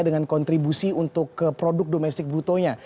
dengan kontribusi untuk produk domestik brutonya